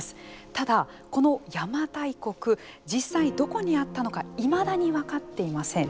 ただ、この邪馬台国実際どこにあったのかいまだに分かっていません。